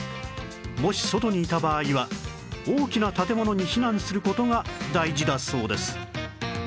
もし外にいた場合は大きな建物に避難する事が大事だそうです